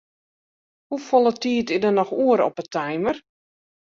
Hoefolle tiid is der noch oer op 'e timer?